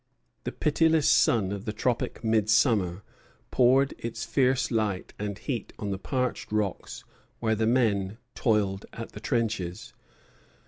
The pitiless sun of the tropic midsummer poured its fierce light and heat on the parched rocks where the men toiled at the trenches.